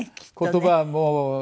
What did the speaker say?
言葉はもう。